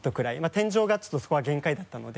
天井がそこは限界だったので。